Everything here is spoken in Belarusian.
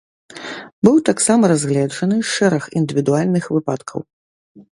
Быў таксама разгледжаны шэраг індывідуальных выпадкаў.